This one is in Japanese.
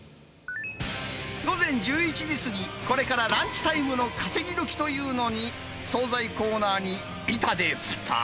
午前１１時過ぎ、これからランチタイムの稼ぎ時というのに、総菜コーナーに板でふた。